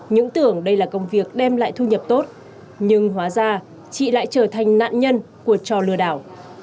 những tưởng đây là công việc đem lại thu nhập tốt nhưng hóa ra chị lại trở thành nạn nhân của trò lừa đảo